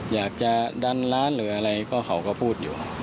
อยากจะดันร้านหรืออะไรก็เขาก็พูดอยู่